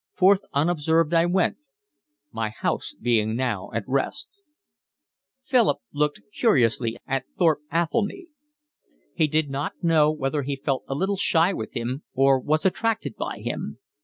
Forth unobserved I went, My house being now at rest… Philip looked curiously at Thorpe Athelny. He did not know whether he felt a little shy with him or was attracted by him.